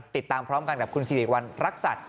ติดตามพร้อมกันกับคุณสิริวัณรักษัตริย์